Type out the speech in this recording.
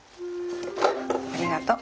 ありがとう。